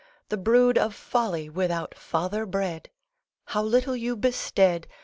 The brood of Folly without father bred! How little you bested ............